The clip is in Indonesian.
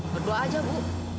berdoa aja bu